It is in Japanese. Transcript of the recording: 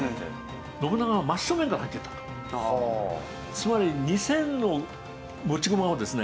つまり２０００の持ち駒をですね